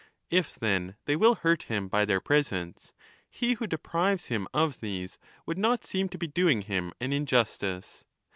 If then they will hurt him by their presence, he who deprives him of these would not seem to be doing him an injustice.